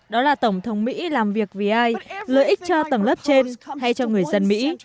đó là tổng thống mỹ làm việc vì ai lợi ích cho tầng lớp trên hay cho người dân mỹ